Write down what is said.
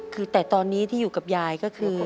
คือแต่ตอนนี้ที่อยู่กับยายก็คือ